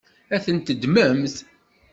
Ad tent-teddmemt?